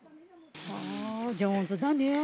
上手だね。